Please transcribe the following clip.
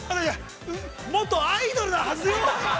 元アイドルのはずよ。